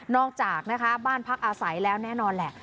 อกจากนะคะบ้านพักอาศัยแล้วแน่นอนแหละ